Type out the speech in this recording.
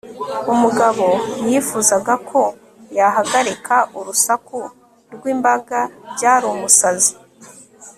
umugabo yifuzaga ko yahagarika urusaku rw'imbaga; byari umusazi